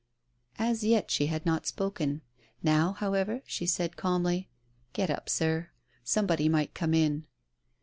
'^ As yet she had not spoken. Now, however, she said, calmly :" Get up, sir. Somebody might come in."